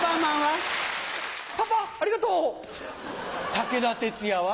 武田鉄矢は？